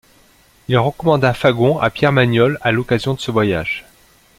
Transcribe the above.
Il recommanda Fagon à Pierre Magnol à l'occasion de ce voyage.